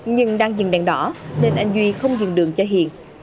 nhưng đang dừng đèn đỏ nên anh duy không dừng đường cho hiền